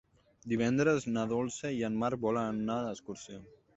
Divendres na Dolça i en Marc volen anar d'excursió.